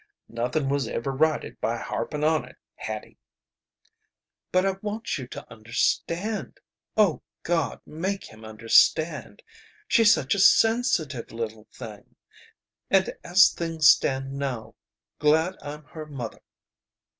"Nothin' was ever righted by harping on it, Hattie." "But I want you to understand O God, make him understand she's such a sensitive little thing. And as things stand now glad I'm her mother.